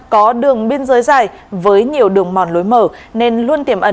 có đường biên giới dài với nhiều đường mòn lối mở nên luôn tiềm ẩn